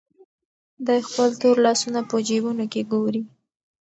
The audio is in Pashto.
دی خپل تور لاسونه په جېبونو کې ګوري.